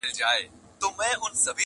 يو درس ګرځي ورو